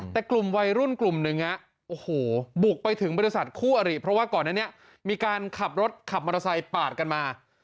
แต่กลุ่มวัยรุ่นกลุ่มหนึ่งโอ้โหบุกไปถึงบริษัทคู่อริเพราะว่าก่อนอันนี้มีการขับรถขับมอเตอร์ไซค์ปาดกันมา